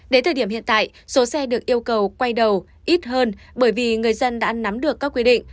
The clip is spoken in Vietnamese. đến thời điểm hiện tại số xe được yêu cầu quay đầu ít hơn bởi vì người dân đã nắm được các quy định